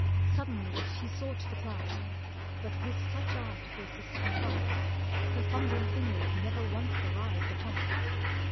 Suddenly she sought The clasp, but with such art was this contrived Her fumbling fingers never once arrived Upon it.